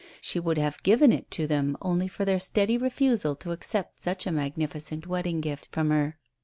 She would have given it to them only for their steady refusal to accept such a magnificent wedding gift from her.